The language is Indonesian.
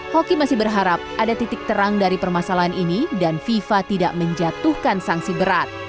hoki masih berharap ada titik terang dari permasalahan ini dan fifa tidak menjatuhkan sanksi berat